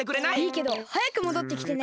いいけどはやくもどってきてね。